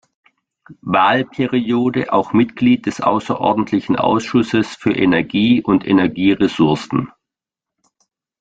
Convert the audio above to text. Wahlperiode auch Mitglied des außerordentlichen Ausschusses für Energie und Energieressourcen.